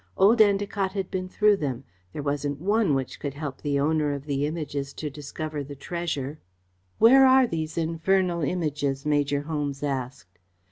Old Endacott had been through them. There wasn't one which could help the owner of the Images to discover the treasure." "Where are these infernal Images?" Major Holmes asked.